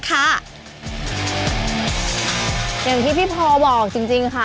อย่างที่พี่พอบอกจริงค่ะ